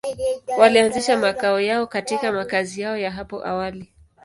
Walianzisha makao yao katika makazi yao ya hapo awali.